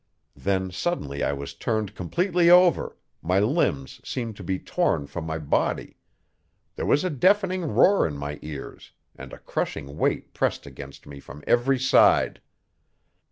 Then suddenly I was turned completely over, my limbs seemed to be torn from my body, there was a deafening roar in my ears, and a crushing weight pressed against me from every side.